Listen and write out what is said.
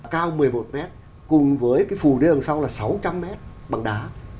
cao một mươi một mét cùng với cái phù đưa đằng sau là sáu trăm linh mét bằng đá